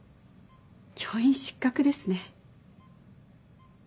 教員失格ですね。